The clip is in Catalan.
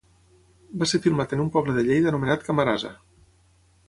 Va ser filmat en un poble de Lleida anomenat Camarasa.